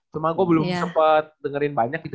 cuma gue belum sempat dengerin banyak gitu